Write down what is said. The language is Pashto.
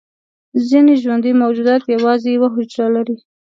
ځینې ژوندي موجودات یوازې یوه حجره لري